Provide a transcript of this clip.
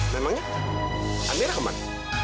memangnya amira kemana